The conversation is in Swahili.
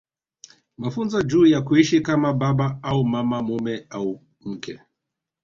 Mafunzo juu ya kuishi kama baba au mama mume au mke